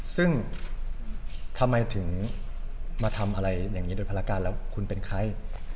ซึ่งทำไมถึงมาทำอะไรอย่างนี้โดยภารการแล้วคุณเป็นใคร